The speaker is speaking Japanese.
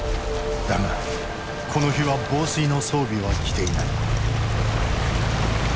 だがこの日は防水の装備は着ていない。